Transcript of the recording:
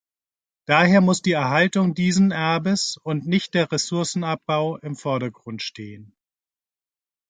Daher muss die Erhaltung diesen Erbes, und nicht der Ressourcenabbau, im Vordergrund stehen.